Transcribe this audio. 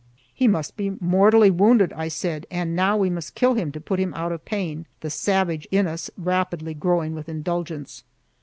"He must be mortally wounded," I said, "and now we must kill him to put him out of pain," the savage in us rapidly growing with indulgence.